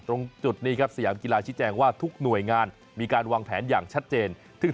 ตรงจุดนี้ครับสยามกีฬาชี้แจงว่าทุกหน่วยงานมีการวางแผนอย่างชัดเจน